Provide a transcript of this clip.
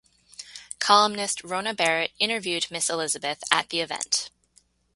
Columnist Rona Barrett interviewed Miss Elizabeth at the event.